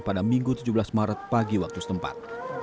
pada minggu tujuh belas maret pagi waktu setempat